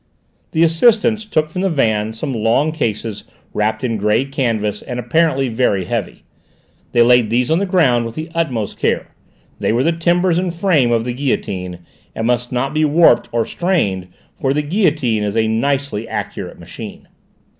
The assistants took from the van some long cases, wrapped in grey canvas and apparently very heavy. They laid these on the ground with the utmost care: they were the timbers and frame of the guillotine, and must not be warped or strained, for the guillotine is a nicely accurate machine!